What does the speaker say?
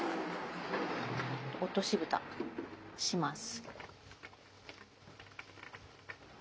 落とし蓋します。